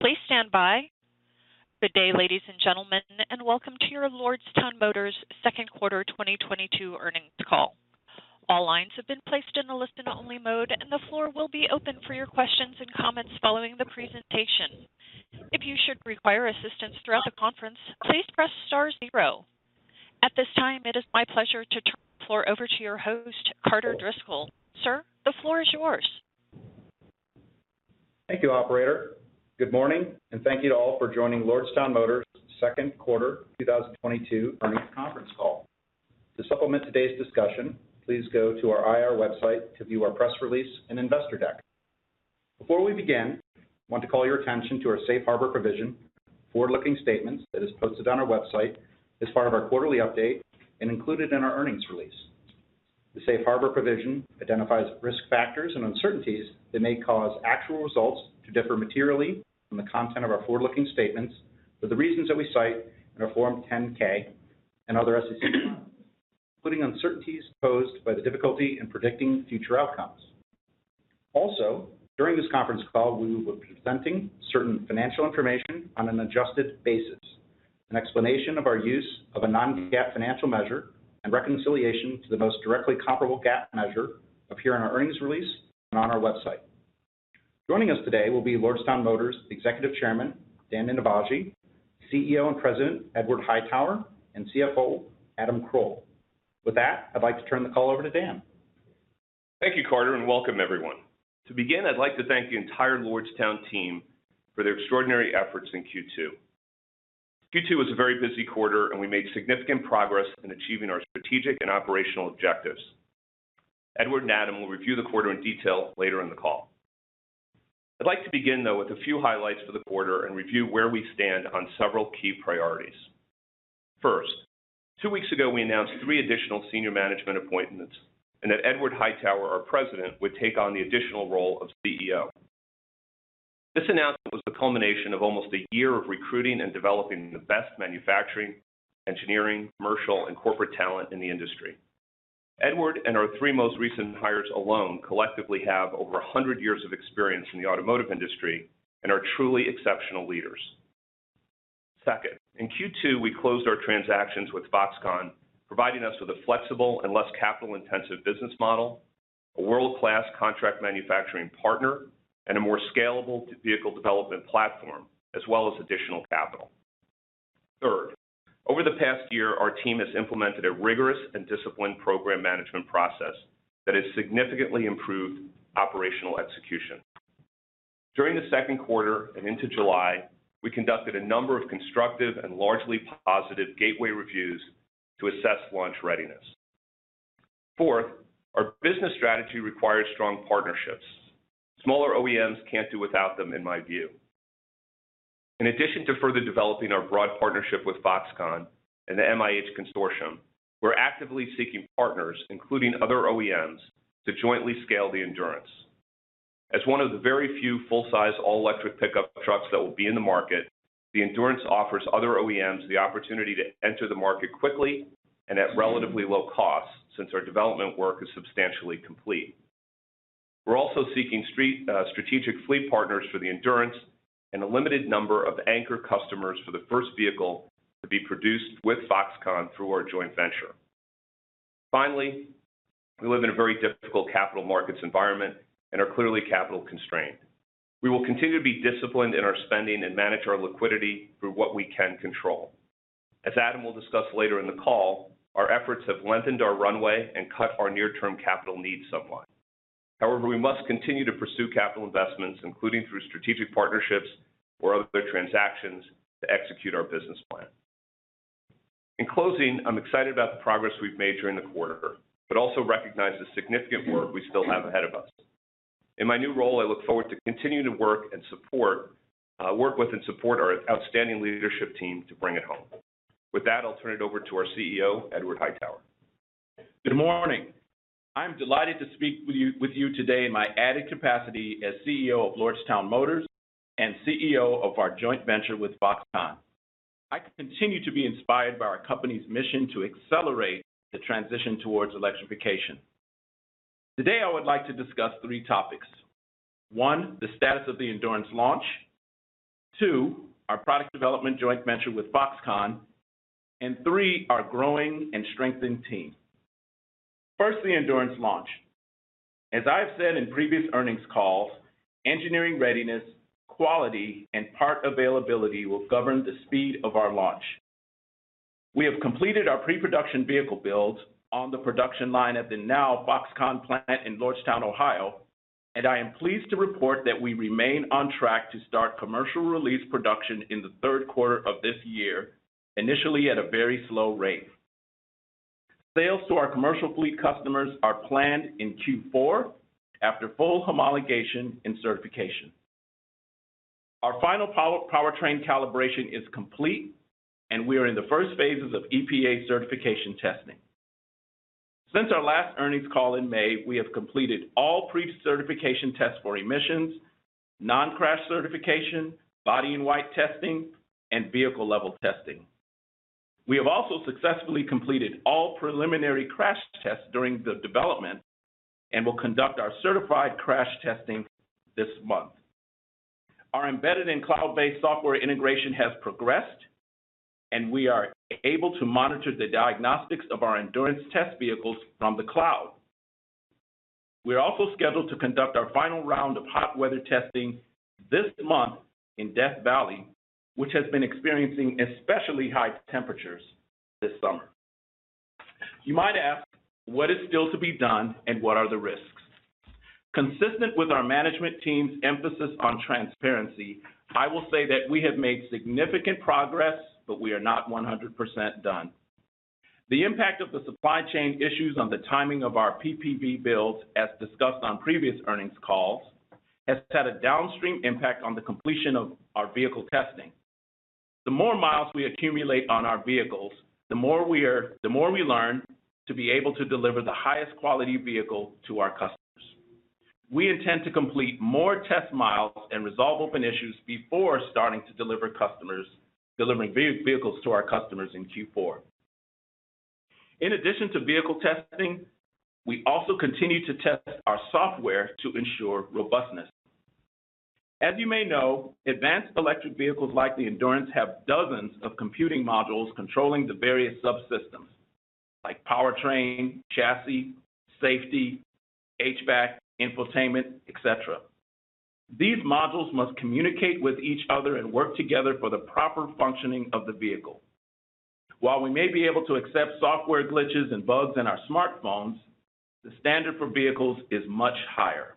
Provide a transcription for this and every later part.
Please stand by. Good day, ladies and gentlemen, and welcome to your Lordstown Motors second quarter 2022 earnings call. All lines have been placed in a listen-only mode, and the floor will be open for your questions and comments following the presentation. If you should require assistance throughout the conference, please press star zero. At this time, it is my pleasure to turn the floor over to your host, Carter Driscoll. Sir, the floor is yours. Thank you, operator. Good morning, and thank you all for joining Lordstown Motors second quarter 2022 earnings conference call. To supplement today's discussion, please go to our IR website to view our press release and investor deck. Before we begin, I want to call your attention to our safe harbor provision, forward-looking statements that is posted on our website as part of our quarterly update and included in our earnings release. The safe harbor provision identifies risk factors and uncertainties that may cause actual results to differ materially from the content of our forward-looking statements for the reasons that we cite in our Form 10-K and other SEC filings, including uncertainties posed by the difficulty in predicting future outcomes. Also, during this conference call, we will be presenting certain financial information on an adjusted basis. An explanation of our use of a non-GAAP financial measure and reconciliation to the most directly comparable GAAP measure appear in our earnings release and on our website. Joining us today will be Lordstown Motors Executive Chairman, Daniel Ninivaggi, CEO and President, Edward Hightower, and CFO, Adam Kroll. With that, I'd like to turn the call over to Daniel. Thank you, Carter, and welcome everyone. To begin, I'd like to thank the Lordstown team for their extraordinary efforts in Q2. Q2 was a very busy quarter, and we made significant progress in achieving our strategic and operational objectives. Edward and Adam will review the quarter in detail later in the call. I'd like to begin, though, with a few highlights for the quarter and review where we stand on several key priorities. First, two weeks ago, we announced three additional senior management appointments and that Edward Hightower, our President, would take on the additional role of CEO. This announcement was the culmination of almost a year of recruiting and developing the best manufacturing, engineering, commercial, and corporate talent in the industry. Edward and our three most recent hires alone collectively have over 100 years of experience in the automotive industry and are truly exceptional leaders. Second, in Q2, we closed our transactions with Foxconn, providing us with a flexible and less capital-intensive business model, a world-class contract manufacturing partner, and a more scalable vehicle development platform, as well as additional capital. Third, over the past year, our team has implemented a rigorous and disciplined program management process that has significantly improved operational execution. During the second quarter and into July, we conducted a number of constructive and largely positive gateway reviews to assess launch readiness. Fourth, our business strategy requires strong partnerships. Smaller OEMs can't do without them, in my view. In addition to further developing our broad partnership with Foxconn and the MIH Consortium, we're actively seeking partners, including other OEMs, to jointly scale the Endurance. As one of the very few full-size all-electric pickup trucks that will be in the market, the Endurance offers other OEMs the opportunity to enter the market quickly and at relatively low cost, since our development work is substantially complete. We're also seeking strategic fleet partners for the Endurance and a limited number of anchor customers for the first vehicle to be produced with Foxconn through our joint venture. Finally, we live in a very difficult capital markets environment and are clearly capital constrained. We will continue to be disciplined in our spending and manage our liquidity through what we can control. As Adam will discuss later in the call, our efforts have lengthened our runway and cut our near-term capital needs somewhat. However, we must continue to pursue capital investments, including through strategic partnerships or other transactions, to execute our business plan. In closing, I'm excited about the progress we've made during the quarter, but also recognize the significant work we still have ahead of us. In my new role, I look forward to continuing to work with and support our outstanding leadership team to bring it home. With that, I'll turn it over to our CEO, Edward Hightower. Good morning. I'm delighted to speak with you today in my added capacity as CEO of Lordstown Motors and CEO of our joint venture with Foxconn. I continue to be inspired by our company's mission to accelerate the transition towards electrification. Today, I would like to discuss three topics. One, the status of the Endurance launch. Two, our product development joint venture with Foxconn. Three, our growing and strengthened team. First, the Endurance launch. As I've said in previous earnings calls, engineering readiness, quality, and part availability will govern the speed of our launch. We have completed our pre-production vehicle builds on the production line at the now Foxconn plant in Lordstown, Ohio, and I am pleased to report that we remain on track to start commercial release production in the third quarter of this year, initially at a very slow rate. Sales to our commercial fleet customers are planned in Q4 after full homologation and certification. Our final powertrain calibration is complete, and we are in the first phases of EPA certification testing. Since our last earnings call in May, we have completed all pre-certification tests for emissions, non-crash certification, body-in-white testing, and vehicle level testing. We have also successfully completed all preliminary crash tests during the development and will conduct our certified crash testing this month. Our embedded and cloud-based software integration has progressed, and we are able to monitor the diagnostics of our Endurance test vehicles from the cloud. We are also scheduled to conduct our final round of hot weather testing this month in Death Valley, which has been experiencing especially high temperatures this summer. You might ask, what is still to be done and what are the risks? Consistent with our management team's emphasis on transparency, I will say that we have made significant progress, but we are not 100% done. The impact of the supply chain issues on the timing of our PPV builds, as discussed on previous earnings calls, has had a downstream impact on the completion of our vehicle testing. The more miles we accumulate on our vehicles, the more we learn to be able to deliver the highest quality vehicle to our customers. We intend to complete more test miles and resolve open issues before starting to deliver vehicles to our customers in Q4. In addition to vehicle testing, we also continue to test our software to ensure robustness. As you may know, advanced electric vehicles like the Endurance have dozens of computing modules controlling the various subsystems like powertrain, chassis, safety, HVAC, infotainment, etc. These modules must communicate with each other and work together for the proper functioning of the vehicle. While we may be able to accept software glitches and bugs in our smartphones, the standard for vehicles is much higher.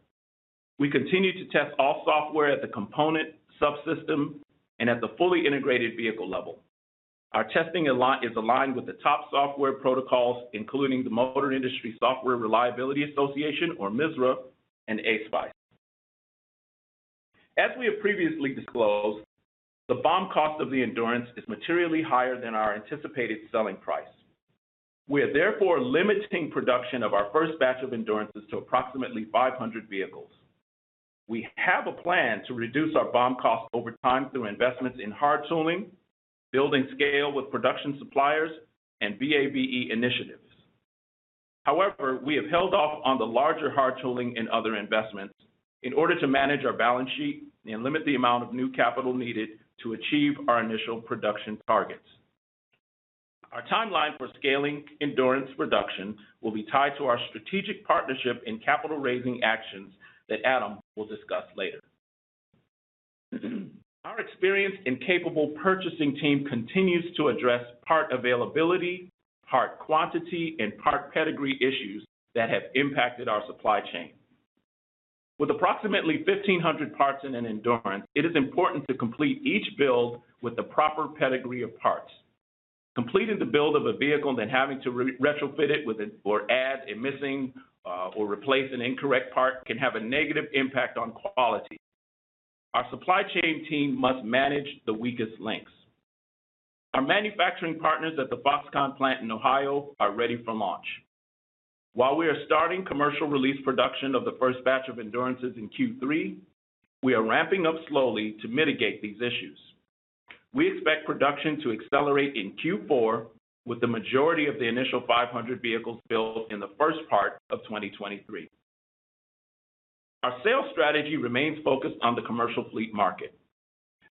We continue to test all software at the component, subsystem, and at the fully integrated vehicle level. Our testing is aligned with the top software protocols, including the Motor Industry Software Reliability Association, or MISRA, and ASPICE. As we have previously disclosed, the BOM cost of the Endurance is materially higher than our anticipated selling price. We are therefore limiting production of our first batch of Endurances to approximately 500 vehicles. We have a plan to reduce our BOM cost over time through investments in hard tooling, building scale with production suppliers, and VA/VE initiatives. However, we have held off on the larger hard tooling and other investments in order to manage our balance sheet and limit the amount of new capital needed to achieve our initial production targets. Our timeline for scaling Endurance production will be tied to our strategic partnership and capital-raising actions that Adam will discuss later. Our experienced and capable purchasing team continues to address part availability, part quantity, and part pedigree issues that have impacted our supply chain. With approximately 1,500 parts in an Endurance, it is important to complete each build with the proper pedigree of parts. Completing the build of a vehicle and then having to re-retrofit it or add a missing or replace an incorrect part can have a negative impact on quality. Our supply chain team must manage the weakest links. Our manufacturing partners at the Foxconn plant in Ohio are ready for launch. While we are starting commercial release production of the first batch of Endurances in Q3, we are ramping up slowly to mitigate these issues. We expect production to accelerate in Q4, with the majority of the initial 500 vehicles built in the first part of 2023. Our sales strategy remains focused on the commercial fleet market.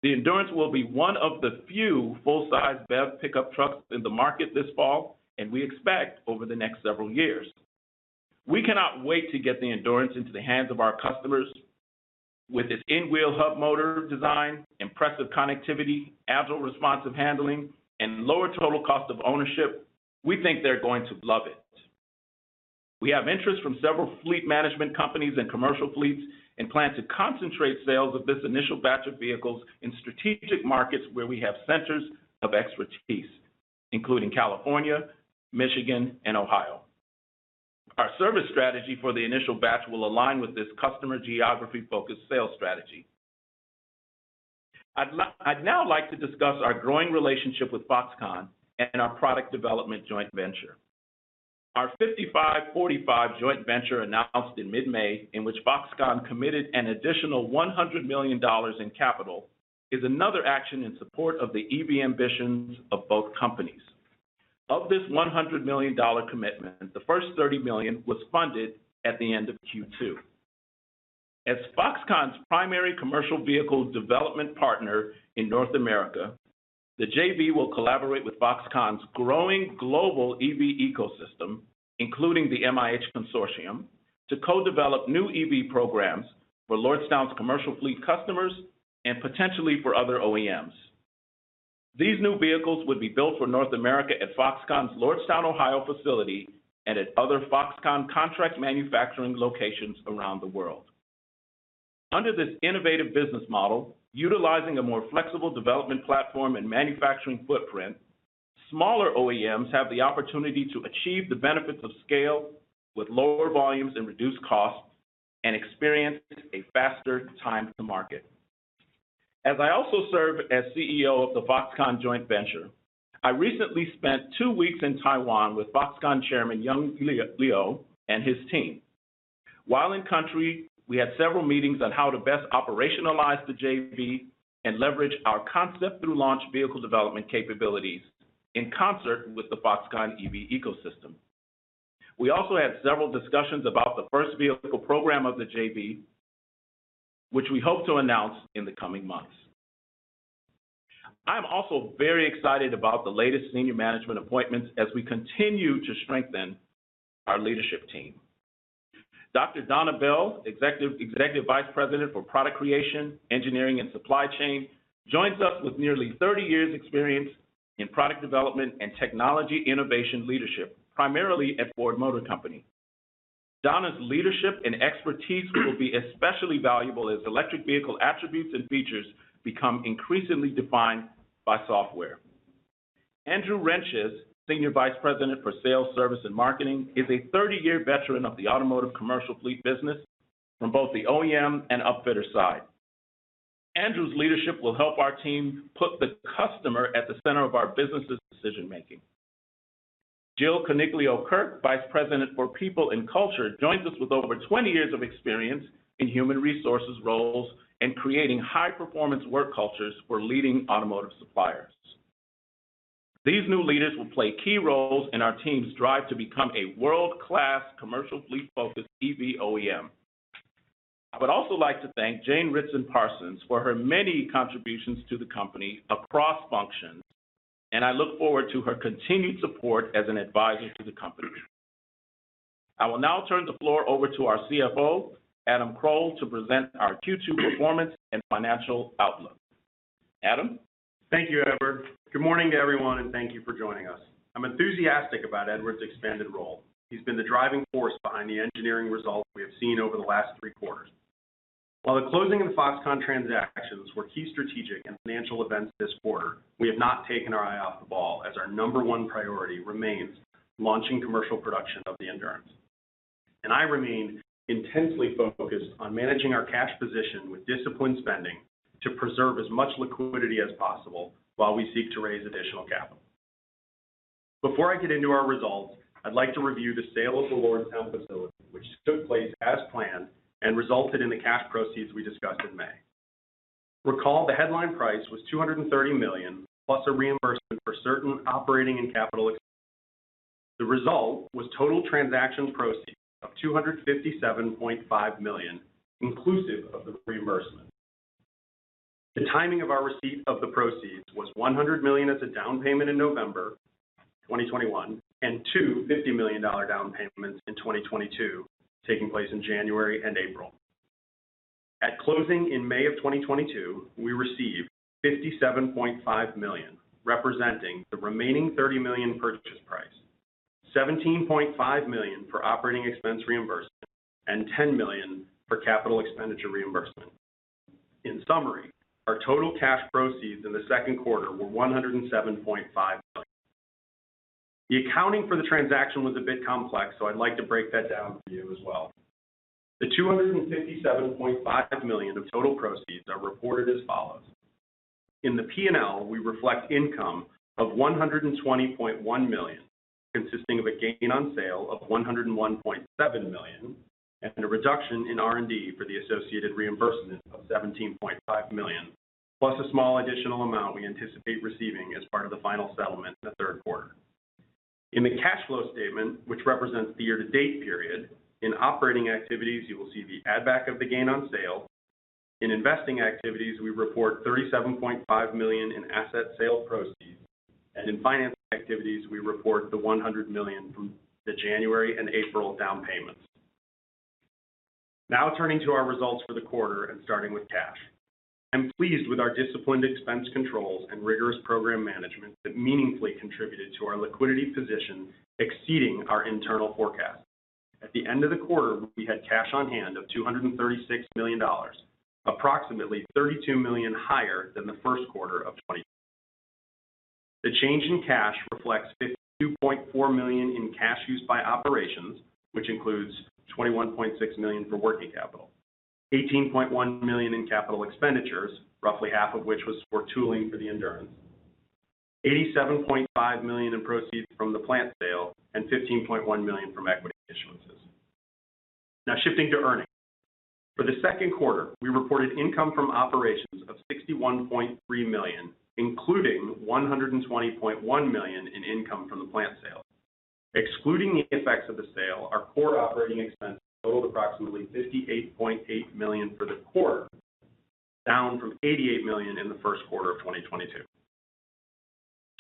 The Endurance will be one of the few full-size BEV pickup trucks in the market this fall, and we expect over the next several years. We cannot wait to get the Endurance into the hands of our customers. With its in-wheel hub motor design, impressive connectivity, agile, responsive handling, and lower total cost of ownership, we think they're going to love it. We have interest from several fleet management companies and commercial fleets and plan to concentrate sales of this initial batch of vehicles in strategic markets where we have centers of expertise, including California, Michigan, and Ohio. Our service strategy for the initial batch will align with this customer geography-focused sales strategy. I'd now like to discuss our growing relationship with Foxconn and our product development joint venture. Our 55-45 joint venture announced in mid-May, in which Foxconn committed an additional $100 million in capital, is another action in support of the EV ambitions of both companies. Of this $100 million commitment, the first $30 million was funded at the end of Q2. As Foxconn's primary commercial vehicle development partner in North America, the JV will collaborate with Foxconn's growing global EV ecosystem, including the MIH Consortium, to co-develop new EV programs for Lordstown's commercial fleet customers and potentially for other OEMs. These new vehicles would be built for North America at Foxconn's Lordstown, Ohio facility and at other Foxconn contract manufacturing locations around the world. Under this innovative business model, utilizing a more flexible development platform and manufacturing footprint, smaller OEMs have the opportunity to achieve the benefits of scale with lower volumes and reduced costs and experience a faster time to market. As I also serve as CEO of the Foxconn joint venture, I recently spent two weeks in Taiwan with Foxconn Chairman Young Liu and his team. While in country, we had several meetings on how to best operationalize the JV and leverage our concept through launch vehicle development capabilities in concert with the Foxconn EV ecosystem. We also had several discussions about the first vehicle program of the JV, which we hope to announce in the coming months. I'm also very excited about the latest senior management appointments as we continue to strengthen our leadership team. Dr. Donna Bell, Executive Vice President for Product Creation, Engineering, and Supply Chain, joins us with nearly thirty years' experience in product development and technology innovation leadership, primarily at Ford Motor Company. Donna's leadership and expertise will be especially valuable as electric vehicle attributes and features become increasingly defined by software. Andrew Reyntjes, Senior Vice President for Sales, Service and Marketing, is a 30 year veteran of the automotive commercial fleet business from both the OEM and upfitter side. Andrew's leadership will help our team put the customer at the center of our business's decision-making. Jill Coniglio-Kirk, Vice President for People and Culture, joins us with over 20 years of experience in human resources roles and creating high-performance work cultures for leading automotive suppliers. These new leaders will play key roles in our team's drive to become a world-class commercial fleet-focused EV OEM. I would also like to thank Jane Ritson-Parsons for her many contributions to the company across functions, and I look forward to her continued support as an advisor to the company. I will now turn the floor over to our CFO, Adam Kroll, to present our Q2 performance and financial outlook. Adam? Thank you, Edward. Good morning to everyone, and thank you for joining us. I'm enthusiastic about Edward's expanded role. He's been the driving force behind the engineering results we have seen over the last three quarters. While the closing of the Foxconn transactions were key strategic and financial events this quarter, we have not taken our eye off the ball as our number one priority remains launching commercial production of the Endurance. I remain intensely focused on managing our cash position with disciplined spending to preserve as much liquidity as possible while we seek to raise additional capital. Before I get into our results, I'd like to review the sale of the Lordstown facility, which took place as planned and resulted in the cash proceeds we discussed in May. Recall, the headline price was $230 million, plus a reimbursement for certain operating and capital expenses. The result was total transaction proceeds of $257.5 million, inclusive of the reimbursement. The timing of our receipt of the proceeds was $100 million as a down payment in November 2021 and $250 million dollar down payments in 2022, taking place in January and April. At closing in May of 2022, we received $57.5 million, representing the remaining $30 million purchase price, $17.5 million for operating expense reimbursement, and $10 million for capital expenditure reimbursement. In summary, our total cash proceeds in the second quarter were $107.5 million. The accounting for the transaction was a bit complex, so I'd like to break that down for you as well. The $257.5 million of total proceeds are reported as follows. In the P&L, we reflect income of $120.1 million, consisting of a gain on sale of $101.7 million, and a reduction in R&D for the associated reimbursement of $17.5 million, plus a small additional amount we anticipate receiving as part of the final settlement in the third quarter. In the cash flow statement, which represents the year-to-date period, in operating activities, you will see the add back of the gain on sale. In investing activities, we report $37.5 million in asset sale proceeds, and in finance activities, we report the $100 million from the January and April down payments. Now turning to our results for the quarter and starting with cash. I'm pleased with our disciplined expense controls and rigorous program management that meaningfully contributed to our liquidity position exceeding our internal forecast. At the end of the quarter, we had cash on hand of $236 million, approximately $32 million higher than the first quarter of 2022. The change in cash reflects $52.4 million in cash used by operations, which includes $21.6 million for working capital, $18.1 million in capital expenditures, roughly half of which was for tooling for the Endurance. $87.5 million in proceeds from the plant sale and $15.1 million from equity issuances. Now shifting to earnings. For the second quarter, we reported income from operations of $61.3 million, including $120.1 million in income from the plant sale. Excluding the effects of the sale, our core operating expenses totaled approximately $58.8 million for the quarter, down from $88 million in the first quarter of 2022.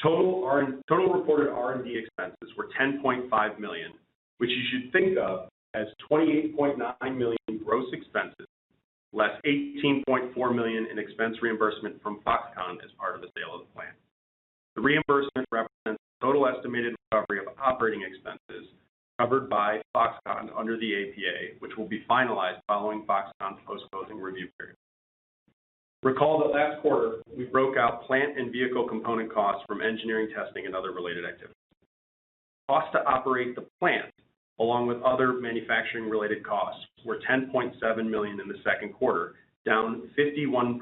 Total reported R&D expenses were $10.5 million, which you should think of as $28.9 million gross expenses, less $18.4 million in expense reimbursement from Foxconn as part of the sale of the plant. The reimbursement represents the total estimated recovery of operating expenses covered by Foxconn under the APA, which will be finalized following Foxconn's post-closing review period. Recall that last quarter, we broke out plant and vehicle component costs from engineering, testing, and other related activities. Cost to operate the plant, along with other manufacturing-related costs, were $10.7 million in the second quarter, down 51%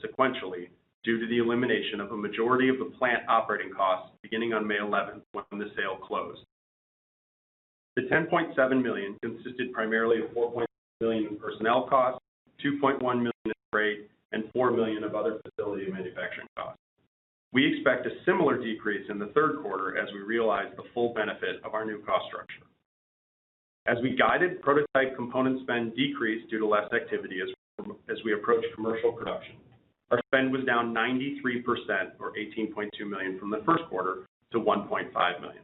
sequentially due to the elimination of a majority of the plant operating costs beginning on May eleventh when the sale closed. The $10.7 million consisted primarily of $4 million in personnel costs, $2.1 million in freight, and $4 million of other facility manufacturing costs. We expect a similar decrease in the third quarter as we realize the full benefit of our new cost structure. As we guided, prototype component spend decreased due to less activity as we approach commercial production. Our spend was down 93%, or $18.2 million, from the first quarter to $1.5 million.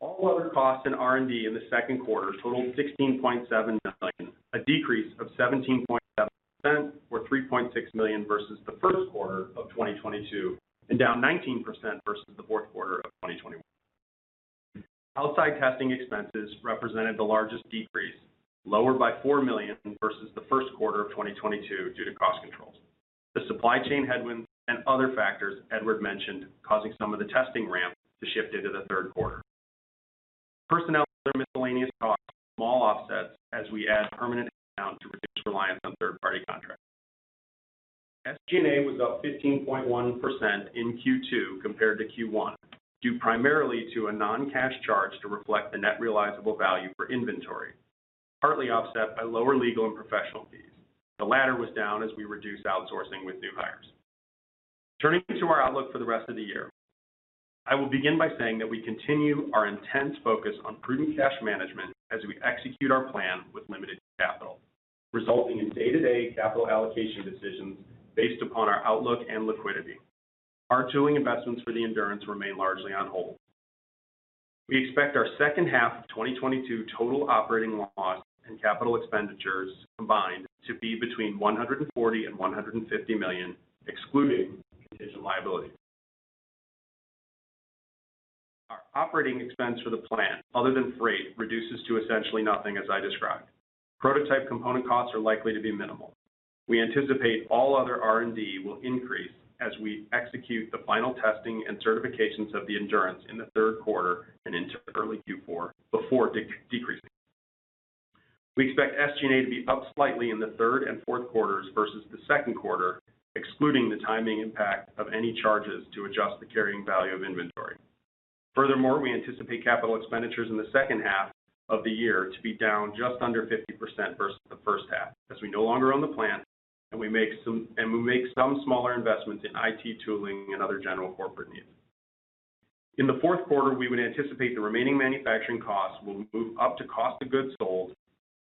All other costs in R&D in the second quarter totaled $16.7 million, a decrease of 17.7% or $3.6 million versus the first quarter of 2022, and down 19% versus the fourth quarter of 2021. Outside testing expenses represented the largest decrease, lower by $4 million versus the first quarter of 2022 due to cost controls. The supply chain headwinds and other factors Edward mentioned causing some of the testing ramp to shift into the third quarter. Personnel and other miscellaneous costs were small offsets as we add permanent headcount to reduce reliance on third-party contractors. SG&A was up 15.1% in Q2 compared to Q1, due primarily to a non-cash charge to reflect the net realizable value for inventory, partly offset by lower legal and professional fees. The latter was down as we reduced outsourcing with new hires. Turning to our outlook for the rest of the year, I will begin by saying that we continue our intense focus on prudent cash management as we execute our plan with limited capital, resulting in day-to-day capital allocation decisions based upon our outlook and liquidity. Our tooling investments for the Endurance remain largely on hold. We expect our second half of 2022 total operating loss and capital expenditures combined to be between $140 million and $150 million, excluding contingent liability. Our operating expense for the plant, other than freight, reduces to essentially nothing as I described. Prototype component costs are likely to be minimal. We anticipate all other R&D will increase as we execute the final testing and certifications of the Endurance in the third quarter and into early Q4 before decreasing. We expect SG&A to be up slightly in the third and fourth quarters versus the second quarter, excluding the timing impact of any charges to adjust the carrying value of inventory. Furthermore, we anticipate capital expenditures in the second half of the year to be down just under 50% versus the first half, as we no longer own the plant and we make some smaller investments in IT tooling and other general corporate needs. In the fourth quarter, we would anticipate the remaining manufacturing costs will move up to cost of goods sold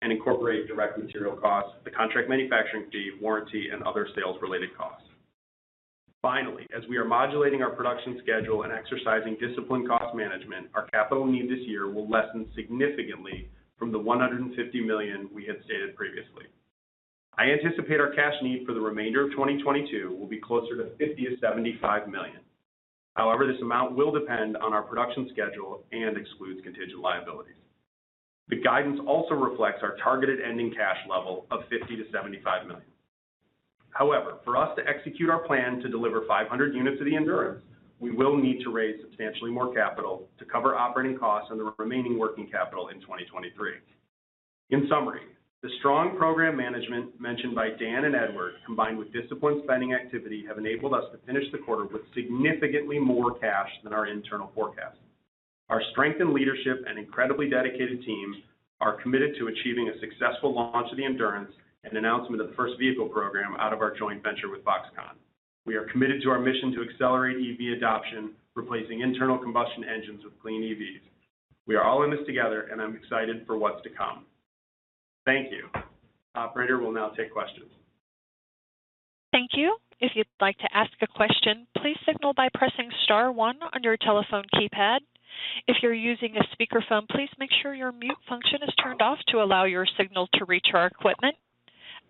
and incorporate direct material costs, the contract manufacturing fee, warranty, and other sales-related costs. Finally, as we are modulating our production schedule and exercising disciplined cost management, our capital need this year will lessen significantly from the $150 million we had stated previously. I anticipate our cash need for the remainder of 2022 will be closer to $50 million-$75 million. However, this amount will depend on our production schedule and excludes contingent liabilities. The guidance also reflects our targeted ending cash level of $50 million-$75 million. However, for us to execute our plan to deliver 500 units of the Endurance, we will need to raise substantially more capital to cover operating costs and the remaining working capital in 2023. In summary, the strong program management mentioned by Dan and Edward, combined with disciplined spending activity, have enabled us to finish the quarter with significantly more cash than our internal forecast. Our strength in leadership and incredibly dedicated teams are committed to achieving a successful launch of the Endurance and announcement of the first vehicle program out of our joint venture with Foxconn. We are committed to our mission to accelerate EV adoption, replacing internal combustion engines with clean EVs. We are all in this together, and I'm excited for what's to come. Thank you. Operator, we'll now take questions. Thank you. If you'd like to ask a question, please signal by pressing star one on your telephone keypad. If you're using a speakerphone, please make sure your mute function is turned off to allow your signal to reach our equipment.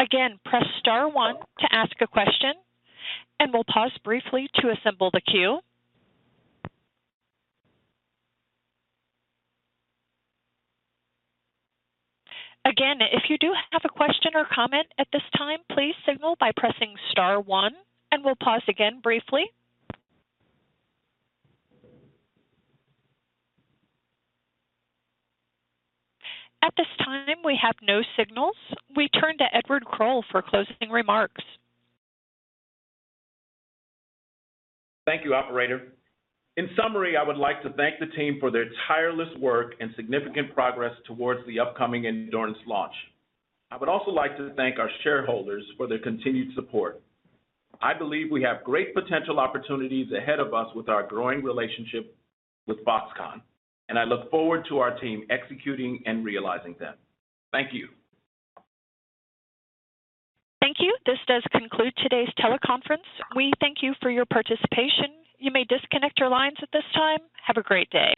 Again, press star one to ask a question, and we'll pause briefly to assemble the queue. Again, if you do have a question or comment at this time, please signal by pressing star one, and we'll pause again briefly. At this time, we have no signals. We turn to Adam Kroll for closing remarks. Thank you, operator. In summary, I would like to thank the team for their tireless work and significant progress towards the upcoming Endurance launch. I would also like to thank our shareholders for their continued support. I believe we have great potential opportunities ahead of us with our growing relationship with Foxconn, and I look forward to our team executing and realizing them. Thank you. Thank you. This does conclude today's teleconference. We thank you for your participation. You may disconnect your lines at this time. Have a great day.